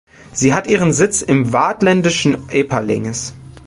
Sie hat ihren Sitz im waadtländischen Epalinges.